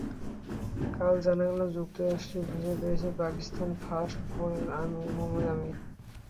কাল জানা গেল, যুক্তরাজ্যের ভিসা পেয়েছেন পাকিস্তানি ফাস্ট বোলার মোহাম্মদ আমির।